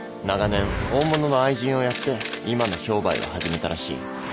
長年大物の愛人をやって今の商売を始めたらしい。